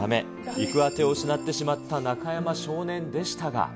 行くあてを失ってしまった中山少年でしたが。